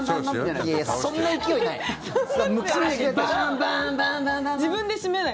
いや、そんな勢いない。